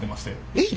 えっ？